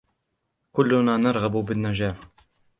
كلنا نرغب بالنجاح.